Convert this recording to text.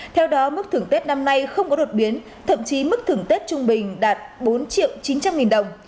theo đó mức thưởng tết năm nay không có đột biến thậm chí mức thưởng tết trung bình đạt bốn triệu chín trăm linh nghìn đồng